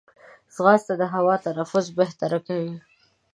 ځغاسته د هوا تنفس بهتر کوي